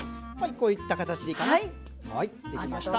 こういった形でできました。